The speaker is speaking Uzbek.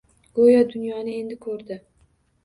Go‘yo, dunyoni endi ko‘rdi.